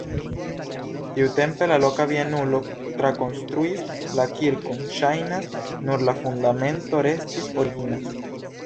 Tiutempe la loka bienulo trakonstruis la kirkon, ŝajnas, nur la fundamento restis origina.